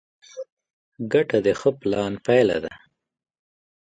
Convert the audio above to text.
ګټه د ښه پلان پایله ده.